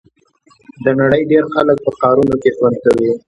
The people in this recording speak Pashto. د نړۍ ډېری خلک په ښارونو کې ژوند کوي.